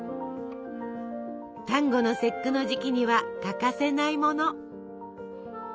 端午の節句の時期には欠かせないもの。